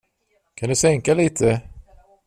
Kan du sänka lite?